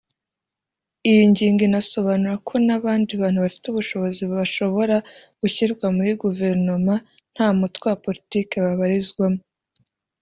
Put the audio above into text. Iyi ngingo inasobanura ko n’abandi bantu bafite ubushobozi bashobora gushyirwa muri Guverinoma nta mutwe wa politiki babarizwamo